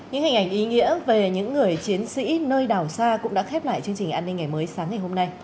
những hình ảnh ý nghĩa về những người chiến sĩ nơi đảo xa cũng đã khép lại chương trình an ninh ngày mới sáng ngày hôm nay